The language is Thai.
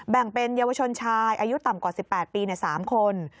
แบ่งเป็นเยาวชนชายอายุต่ำกว่า๑๘ปี๓คน